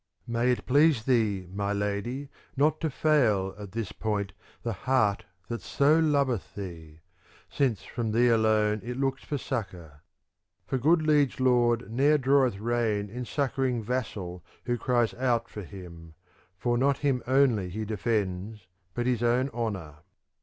May it please thee, my lady, not to fail, at this point, the heart that so loveth thee ; since from thee alone it looks for succour ; For good liege lord ne'er draweth rein in succouring vassal who cries out for him, for not him only he defends but his own honour.